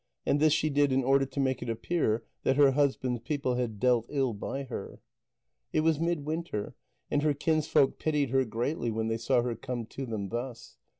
And this she did in order to make it appear that her husband's people had dealt ill by her. It was midwinter, and her kinsfolk pitied her greatly when they saw her come to them thus.